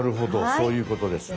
そういうことですね。